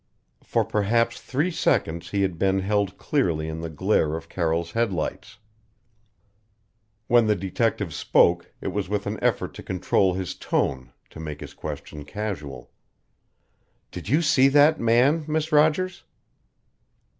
For perhaps three seconds he had been held clearly in the glare of Carroll's headlights. When the detective spoke, it was with an effort to control his tone, to make his question casual. "Did you see that man, Miss Rogers?"